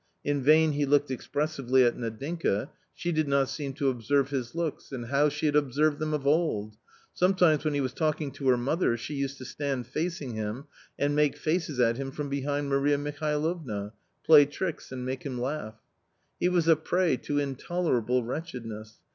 In vain he looked expressively at Nadinka ; she did not seem to observe his looks, and how she had observed them of old ! Sometimes, when he was talking to her mother, she used to stand facing him and make faces at him from behind Maria Mihalovna, play tricks and make him laugh. He was a prey to intolerable wretchedness.